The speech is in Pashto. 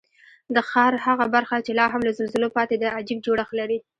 د ښار هغه برخه چې لا هم له زلزلو پاتې ده، عجیب جوړښت لري.